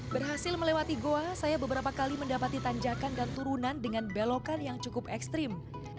berhasil melewati goa saya beberapa kali mendapati tanjakan dan turunan dengan belokan yang cukup ekstrim